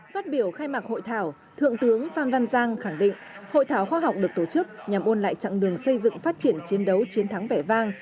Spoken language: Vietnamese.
phát biểu khai mạc hội thảo thượng tướng phan văn giang khẳng định hội thảo khoa học được tổ chức nhằm ôn lại chặng đường xây dựng phát triển chiến đấu chiến thắng vẻ vang